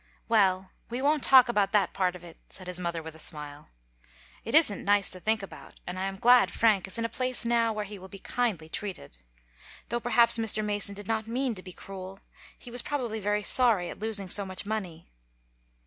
"Well, we won't talk about that part of it," said his mother with a smile. "It isn't nice to think about, and I am glad Frank is in a place now where he will be kindly treated. Though perhaps Mr. Mason did not mean to be cruel. He was probably very sorry at losing so much money."